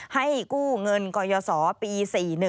ให้กู้เงินกยศปี๔๑